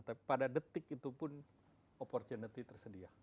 tapi pada detik itu pun opportunity tersedia